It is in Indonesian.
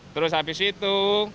terus habis itu